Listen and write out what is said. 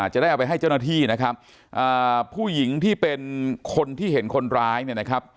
จะได้เอาไปให้เจ้าหน้าที่นะครับอ่าผู้หญิงที่เป็นคนที่เห็นคนร้ายเนี่ยนะครับ